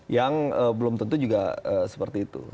yang belum tentu juga seperti itu